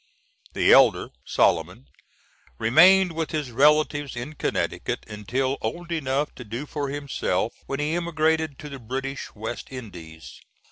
The elder, Solomon, remained with his relatives in Connecticut until old enough to do for himself, when he emigrated to the British West Indies.